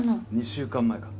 ２週間前か？